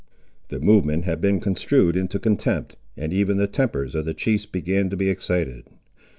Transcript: The movement had been construed into contempt, and even the tempers of the chiefs began to be excited.